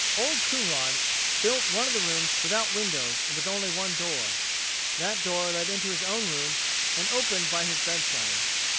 Old Coonrod built one of the rooms without windows and with only one door. That door led into his own room and opened by his bedside.